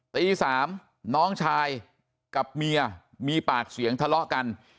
ตี๓น้องชายกับเมียมีปากเสียงทะเลาะกัน